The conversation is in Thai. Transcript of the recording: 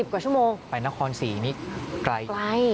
กว่าชั่วโมงไปนครศรีนี่ไกล